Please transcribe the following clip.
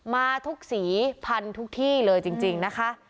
มาทุกสีพันทุกที่เลยจริงนะคะ